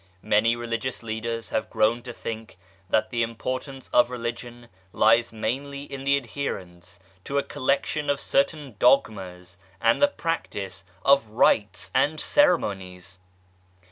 Many Religious Leaders have grown to think that the importance of Religion lies mainly in the adherence to a collection of certain dogmas and the practice of rites and ceremonies